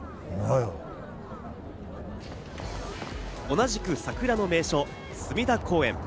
同じく桜の名所・隅田公園。